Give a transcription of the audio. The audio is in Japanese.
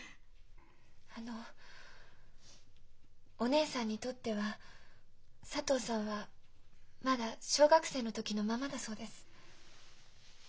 あのお姉さんにとっては佐藤さんはまだ小学生の時のままだそうです。